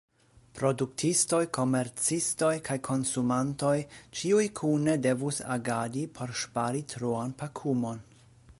Produktistoj, komercistoj kaj konsumantoj, ĉiuj kune devus agadi por ŝpari troan pakumon.